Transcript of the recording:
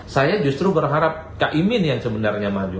saya justru berharap caimin yang sebenarnya maju